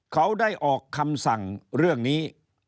เขาได้ออกคำสั่งเรื่องนี้